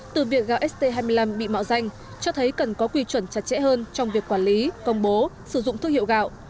từ việc gạo st hai mươi năm bị mạo danh cho thấy cần có quy chuẩn chặt chẽ hơn trong việc quản lý công bố sử dụng thương hiệu gạo